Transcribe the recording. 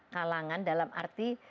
kalangan dalam arti